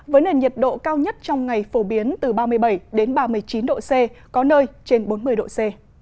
với nền nhiệt độ cao nhất trong ngày phổ biến từ ba mươi bảy ba mươi chín độ c có nơi trên bốn mươi độ c